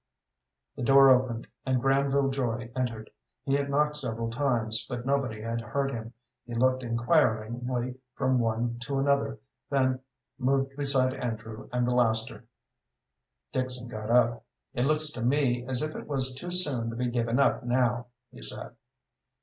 The door opened, and Granville Joy entered. He had knocked several times, but nobody had heard him. He looked inquiringly from one to another, then moved beside Andrew and the laster. Dixon got up. "It looks to me as if it was too soon to be giving up now," he said.